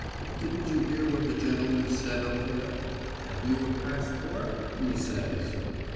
Didn't you hear what the gentleman said up there? 'Have you a passport?' he says.